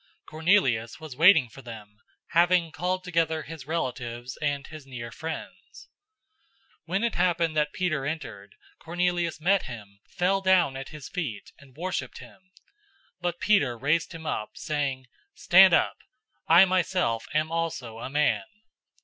Cornelius was waiting for them, having called together his relatives and his near friends. 010:025 When it happened that Peter entered, Cornelius met him, fell down at his feet, and worshiped him. 010:026 But Peter raised him up, saying, "Stand up! I myself am also a man."